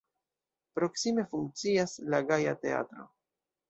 Proksime funkcias la Gaja Teatro.